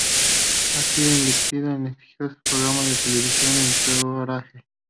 Ha sido invitado al exitoso programa de televisión Entourage.